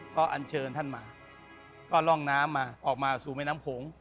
ก็อันเชิญท่านมาก็ร่องน้ำมาออกมาสู่แม่น้ำโขง